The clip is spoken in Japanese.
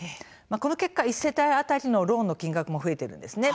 この結果、１世帯当たりのローンの金額も増えているんです。